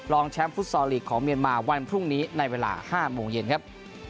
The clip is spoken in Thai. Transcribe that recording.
รองแชมป์ฟุตซอลลีกของเมียนมาวันพรุ่งนี้ในเวลา๕โมงเย็นครับ